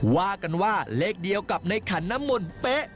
ว่ากันว่าเลขเดียวกับในขันน้ำมนต์เป๊ะ